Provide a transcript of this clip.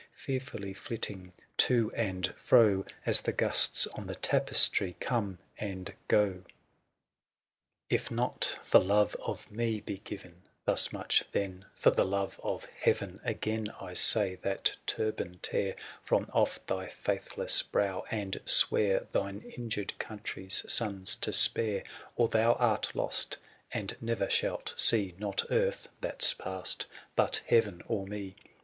Fearfully flitting to and fro, 581 As the gusts on the tapestry come and go. *' If not for love of me be given *" Thus much, then, for the love of heaven, —" Again I say — that turban tear 585 " From off thy faithless brow, and swear " Thine injured country's sons to spare, '* Or thou art lost ; and never shalt see " Not earth — that's past — but heaven or me.